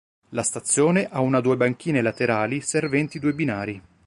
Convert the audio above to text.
La stazione ha una due banchine laterali serventi due binari.